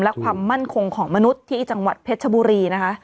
และความมั่นคงของมนุษย์ที่จังหวัดเพชรชบุรีนะคะ